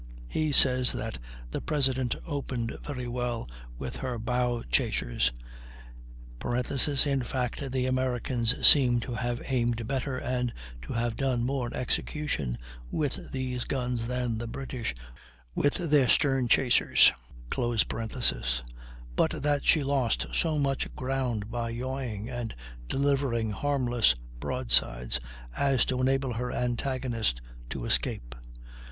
He says that the President opened very well with her bow chasers (in fact the Americans seem to have aimed better and to have done more execution with these guns than the British with their stern chasers); but that she lost so much ground by yawing and delivering harmless broadsides as to enable her antagonist to escape.